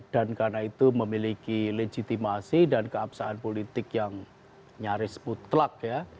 dan karena itu memiliki legitimasi dan keabsahan politik yang nyaris putlak ya